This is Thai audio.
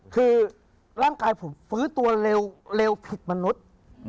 คือร่างกายผมฟื้นตัวเร็วผิดมนุษย์